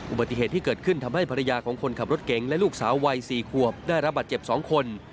อุบัติเหตุที่เกิดขึ้นทำให้ภรรยาของคนขับรถเก๋งและลูกสาววัย๔ขวบได้รับบาดเจ็บ๒คน